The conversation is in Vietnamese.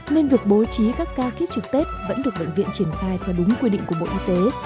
nên việc bố trí các ca kiếp trực tết vẫn được bệnh viện triển khai theo đúng quy định của bộ y tế